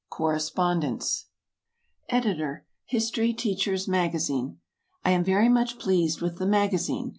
Correspondence Editor HISTORY TEACHER'S MAGAZINE. I am very much pleased with the MAGAZINE.